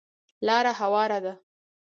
لاره هواره ده .